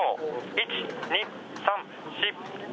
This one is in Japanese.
１、２、３、４、５。